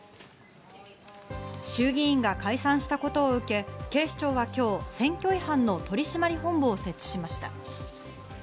衆議院が解散したことを受けて、警視庁は今日選挙違反の取り締まり本部を設置しました。